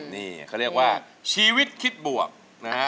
นี่เขาเรียกว่าชีวิตคิดบวกนะฮะ